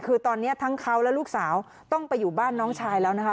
คือตอนนี้ทั้งเขาและลูกสาวต้องไปอยู่บ้านน้องชายแล้วนะคะ